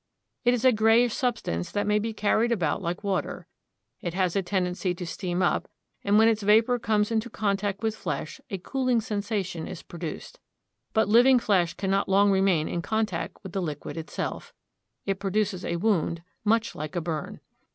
It is a grayish substance that may be carried about like water. It has a tendency to steam up, and when its vapor comes into contact with flesh a cooling sensation is produced. But living flesh cannot long remain in contact with the liquid itself. It produces a wound much like a burn.